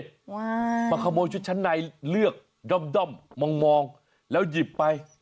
มาขโมยชุดชั้นในเลือกด้อมด้อมมองแล้วหยิบไป